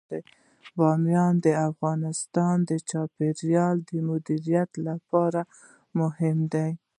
بامیان د افغانستان د چاپیریال د مدیریت لپاره مهم دي.